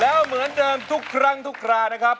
แล้วเหมือนเดิมทุกครั้งทุกครานะครับ